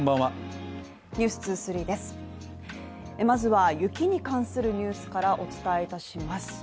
まずは雪に関するニュースからお伝えいたします。